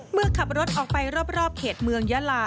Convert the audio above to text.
เมื่อขับรถออกไปรอบเขตเมืองยาลา